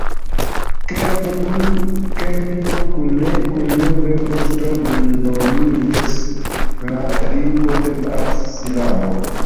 Kerno kune kun vosto nomiĝas la "rimo" de la silabo.